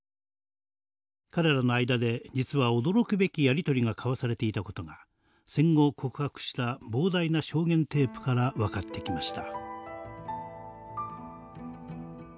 彼らの間で実は驚くべきやり取りが交わされていたことが戦後告白した膨大な証言テープから分かってきました。